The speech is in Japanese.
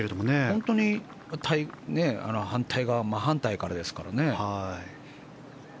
本当に反対側真反対からですからね。